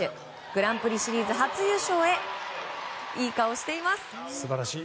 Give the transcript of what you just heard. グランプリシリーズ初優勝へいい顔しています。